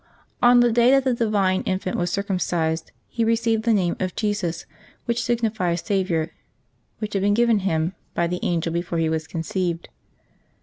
On the day that the divine Infant was circumcised. He received the name of Jesus, which signifies Saviour, which had been given Him by the angel before He was conceived.